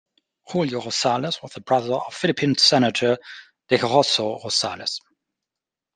Julio Rosales was the brother of Philippine Senator Decoroso Rosales.